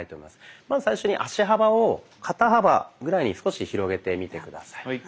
まず最初に足幅を肩幅ぐらいに少し広げてみて下さい。